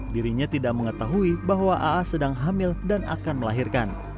dirinya tidak mengetahui bahwa aa sedang hamil dan akan melahirkan